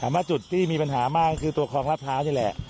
ว่าจุดที่มีปัญหามากคือตัวคลองรัฐพร้าวนี่แหละ